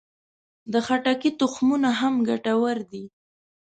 د خټکي تخمونه هم ګټور دي.